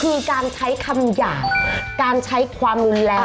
คือการใช้คำหยาบการใช้ความรุนแรง